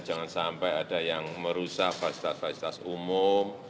jangan sampai ada yang merusak fasilitas fasilitas umum